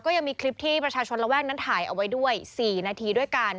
ก็ยังมีคลิปที่ประชาชนระแวกนั้นถ่ายเอาไว้ด้วย๔นาทีด้วยกัน